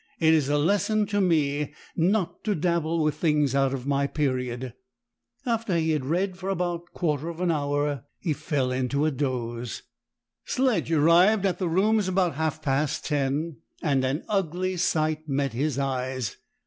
It is a lesson to me not to dabble with things out of my period." After he had read for about a quarter of an hour he fell into a doze. Sledge arrived at the rooms about half past ten, and an ugly sight met his eyes.